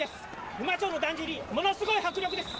沼町のだんじり、ものすごい迫力です。